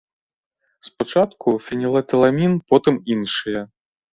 Спачатку фенілэтыламін, потым іншыя.